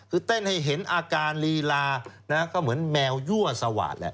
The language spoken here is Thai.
คือเต้นให้เห็นอาการลีลานะก็เหมือนแมวยั่วสวาดแหละ